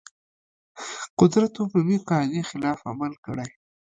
قدرت عمومي قاعدې خلاف عمل کړی.